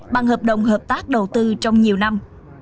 bằng hợp đồng hợp tác đầu tư trong nhiều năm